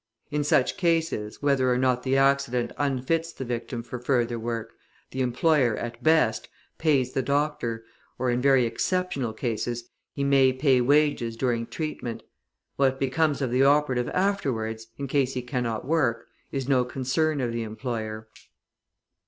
In such cases, whether or not the accident unfits the victim for further work, the employer, at best, pays the doctor, or, in very exceptional cases, he may pay wages during treatment; what becomes of the operative afterwards, in case he cannot work, is no concern of the employer.